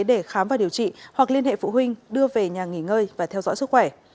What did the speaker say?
để khám và điều trị hoặc liên hệ phụ huynh đưa về nhà nghỉ ngơi và theo dõi sức khỏe